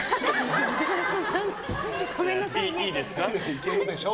いけるでしょ。